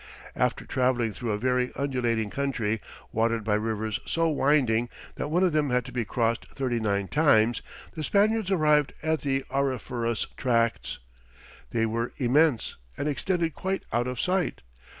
After travelling through a very undulating country, watered by rivers so winding that one of them had to be crossed thirty nine times, the Spaniards arrived at the auriferous tracts. They were immense, and extended quite out of sight.